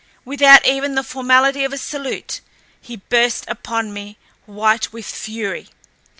Without even the formality of a salute, he burst upon me, white with fury.